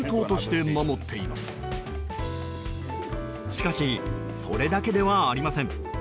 しかしそれだけではありません。